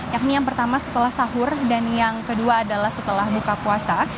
yakni yang pertama setelah sahur dan yang kedua adalah setelah buka puasa